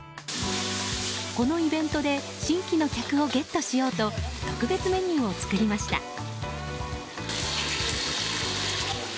このイベントで新規の客をゲットしようと特別メニューを作りました。